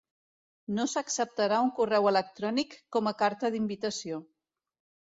No s'acceptarà un correu electrònic com a carta d'invitació.